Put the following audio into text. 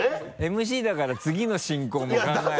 ＭＣだから次の進行も考えて。